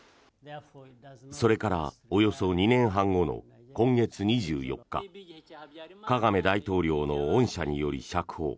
それからおよそ２年半後の今月２４日カガメ大統領の恩赦により釈放。